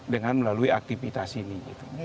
dengan melalui aktivitas ini